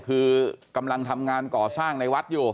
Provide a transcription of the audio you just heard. คือกำลังทำงานก่อสร้างในวัดอยู่